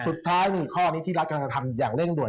สุดท้ายนี่ข้อนี้ที่รัฐกำลังจะทำอย่างเร่งด่ว